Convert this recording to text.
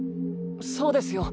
そうですよ。